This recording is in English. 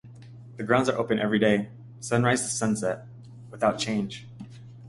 The grounds are open every day, sunrise to sunset, without charge.